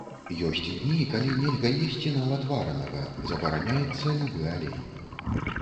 Ёсць дні, калі нельга есці нават варанага, забараняецца любы алей.